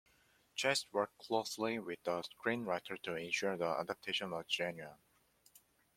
Chase worked closely with the screenwriter to ensure the adaptation was genuine.